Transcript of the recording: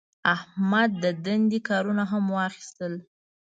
احمد د دندې کارونه هم واخیستل.